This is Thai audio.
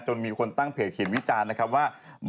มีคนตั้งเพจเขียนวิจารณ์นะครับว่า